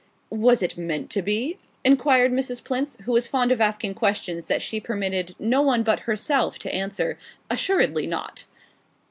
"Was it meant to be?" enquired Mrs. Plinth, who was fond of asking questions that she permitted no one but herself to answer. "Assuredly not."